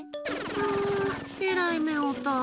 はあ、えらい目遭うたわ。